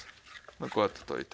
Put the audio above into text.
こうやって溶いて。